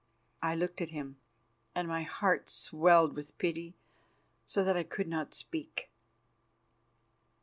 I looked at him and my heart swelled with pity, so that I could not speak.